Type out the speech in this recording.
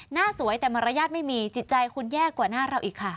หน้าสวยแต่มารยาทไม่มีจิตใจคุณแย่กว่าหน้าเราอีกค่ะ